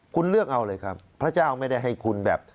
คุณเลือกเอาเลยครับพระเจ้าไม่ได้ให้คุณแบบ